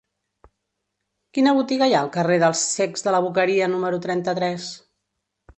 Quina botiga hi ha al carrer dels Cecs de la Boqueria número trenta-tres?